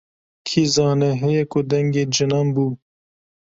Kî zane heye ko dengê cinan bû.